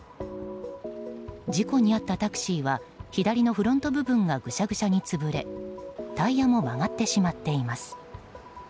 事故に遭ったタクシーは左のフロント部分がグシャグシャに潰れタイヤも曲がってしまっています。